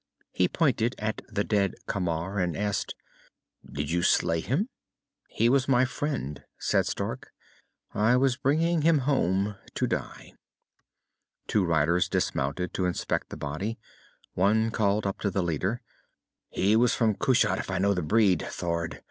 He pointed at the dead Camar and asked, "Did you slay him?" "He was my friend," said Stark, "I was bringing him home to die." Two riders dismounted to inspect the body. One called up to the leader, "He was from Kushat, if I know the breed, Thord!